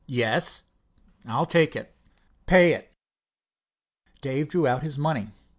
"Yes." "I'll take it." "Pay it." Dave drew out his money.